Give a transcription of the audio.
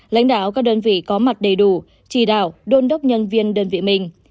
lãnh đạo các đơn vị có mặt đầy đủ chỉ đạo đôn đốc nhân viên đơn vị mình